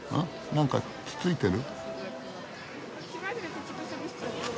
なんかつついてる？